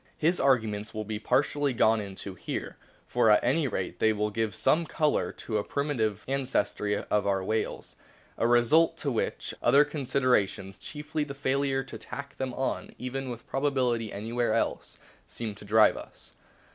His arguments will o o be partly gone into here ; for at any rate they give some colour to a primitive ancestry of our whales, a result to which other considerations chiefly the failure to tack them on even with probability any where else seem to drive us.